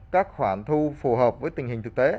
các khoản thu phù hợp với tình hình thực tế